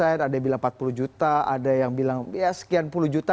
ada yang bilang empat puluh juta ada yang bilang ya sekian puluh juta